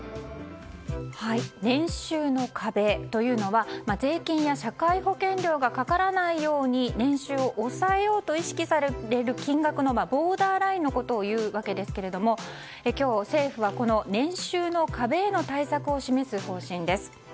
年収の壁というのは、税金や社会保険料がかからないように年収を抑えようと意識される金額のボーダーラインのことをいうわけですが今日、政府はこの年収の壁への対策を示す方針です。